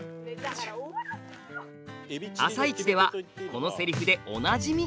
「あさイチ」ではこのセリフでおなじみ。